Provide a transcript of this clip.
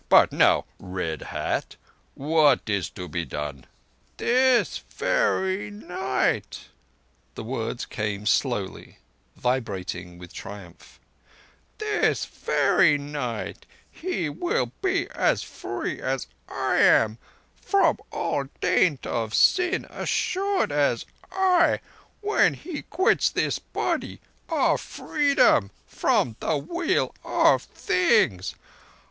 But now, Red Hat, what is to be done?" "This very night,"—the words came slowly, vibrating with triumph—"this very night he will be as free as I am from all taint of sin—assured as I am, when he quits this body, of Freedom from the Wheel of Things.